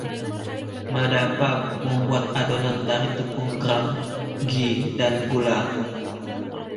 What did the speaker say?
Madappa membuat adonan dari tepung gram, ghee, dan gula.